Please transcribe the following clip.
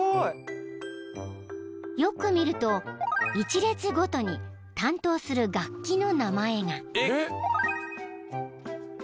［よく見ると１列ごとに担当する楽器の名前が］